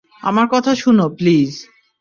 আমার কথা শুনো, প্লিজ!